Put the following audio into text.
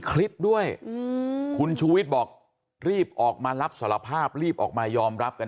คลิปด้วยคุณชูวิทย์บอกรีบออกมารับสารภาพรีบออกมายอมรับกัน